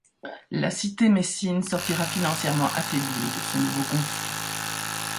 La cité messine sortira financièrement affaiblie de ce nouveau conflit.